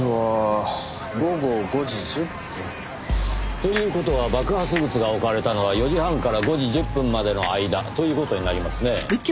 という事は爆発物が置かれたのは４時半から５時１０分までの間という事になりますねぇ。